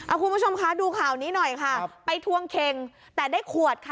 คุณผู้ชมคะดูข่าวนี้หน่อยค่ะไปทวงเข็งแต่ได้ขวดค่ะ